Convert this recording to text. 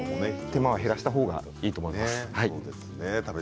手間を減らした方がいいと思います。